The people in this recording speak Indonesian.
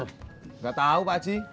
enggak tahu pak aci